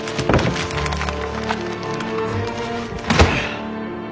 ああ！